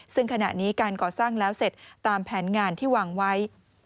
ซึ่งขณะนี้การก่อสร้างแล้วเสร็จตามแผนงานที่วางไว้